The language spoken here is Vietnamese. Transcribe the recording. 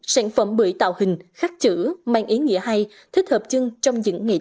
sản phẩm bưởi tạo hình khắc chữ mang ý nghĩa hay thích hợp chưng trong những ngày tết